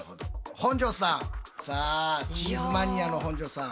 本上さんさあチーズマニアの本上さん。